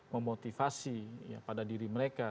memotivasi pada diri mereka